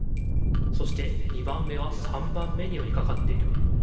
そして２番目は３番目によりかかっている。